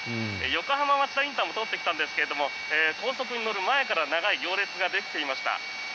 横浜町田ＩＣも通ってきたんですが高速に乗る前から長い行列ができていました。